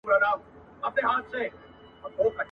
په هغه ګړي یې جنس وو پیژندلی ..